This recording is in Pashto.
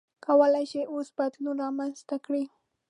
کولای شئ اوس بدلون رامنځته کړئ.